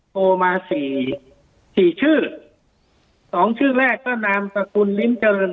โทรมาสี่สี่ชื่อสองชื่อแรกก็นามสกุลลิ้มเจริญ